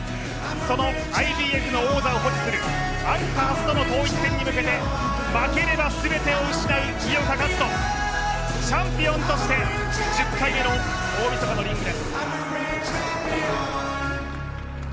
そのＩＢＦの王座アンカハスとの統一選に向けて負ければ全てを失う井岡一翔、チャンピオンとして、１０回目の大みそかのリングです。